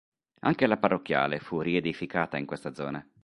Anche la parrocchiale fu riedificata in questa zona.